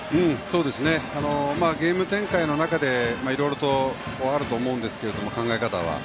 ゲーム展開の中でいろいろとあると思うんですが考え方は。